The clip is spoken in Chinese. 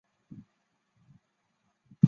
九嶷山相传为舜帝安葬之地。